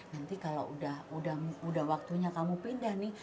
nanti kalau udah waktunya kamu pindah nih